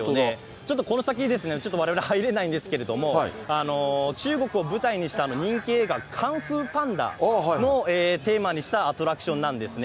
ちょっとこの先、われわれ入れないんですけれども、中国を舞台にした人気映画、カンフー・パンダをテーマにしたアトラクションなんですね。